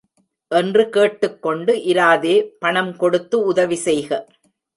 என்று கேட்டுக்கொண்டு இராதே பணம் கொடுத்து உதவி செய்க.